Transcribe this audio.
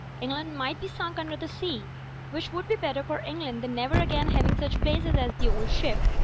England might be sunk imder the sea ; which would be better for Eng land than never again having such places as "The Old Ship."